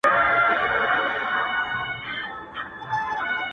ستا د ښار د ښایستونو په رنګ ـ رنګ یم.